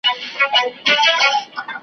خلک ورو ورو له ظالم سره روږدیږي .